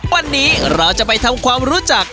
วันนี้เราจะไปทำความรู้จัก